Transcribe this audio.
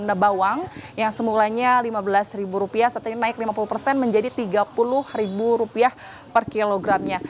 harga bawang yang semulanya rp lima belas saat ini naik lima puluh persen menjadi rp tiga puluh per kilogramnya